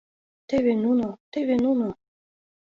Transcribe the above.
— Тӧвӧ нуно, тӧвӧ нуно!